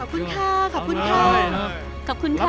ขอบคุณค่าขอบคุณค่า